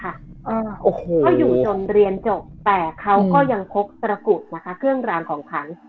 เขาอยู่จนเรียนจบแต่เขาก็ยังพกตระกุดนะคะเครื่องรางของขัง